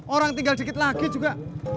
orang tinggal dikit lagi juga